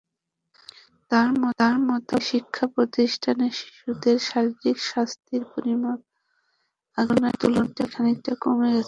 তাঁর মতে, শিক্ষাপ্রতিষ্ঠানে শিশুদের শারীরিক শাস্তির পরিমাণ আগের তুলনায় খানিকটা কমে এসেছে।